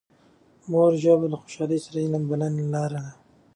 مورنۍ ژبه له خوشحالۍ سره د علم د بلنې لاره ده.